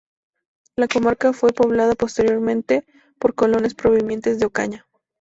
La comarca fue poblada posteriormente por colonos provenientes de Ocaña.